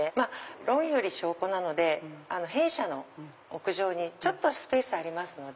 論より証拠なので弊社の屋上にちょっとスペースありますので。